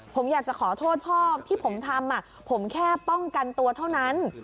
ผมอยากจะขอโทษพ่อที่ผมทำผมแค่ป้องกันตัวเท่านั้น